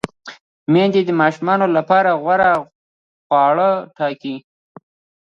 میندې د ماشومانو لپاره غوره خواړه ټاکي۔